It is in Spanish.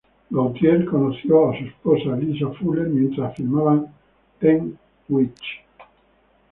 Gauthier conoció a su esposa, Lisa Fuller, mientras filmaban "Teen Witch".